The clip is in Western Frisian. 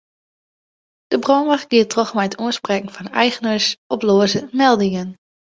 De brânwacht giet troch mei it oansprekken fan de eigeners op loaze meldingen.